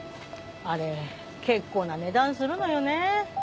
あれ結構な値段するのよね。